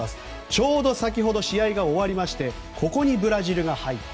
ちょうど先ほど試合が終わりましてここにブラジルが入った。